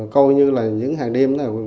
coi như là những hàng đêm